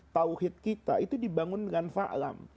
tauhid kita itu dibangun dengan fa'lam